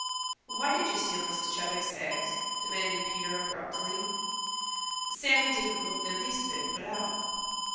"Why did you steal Mrs. Chebec's eggs?" demanded Peter abruptly. Sammy didn't look the least bit put out.